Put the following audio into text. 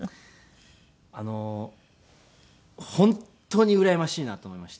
本当にうらやましいなと思いまして。